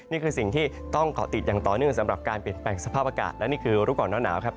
นี่คือสิ่งที่ต้องเกาะติดอย่างต่อเนื่องสำหรับการเปลี่ยนแปลงสภาพอากาศและนี่คือรู้ก่อนร้อนหนาวครับ